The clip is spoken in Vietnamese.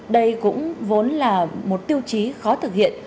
đây cũng vốn là một tiêu chí khó thực hiện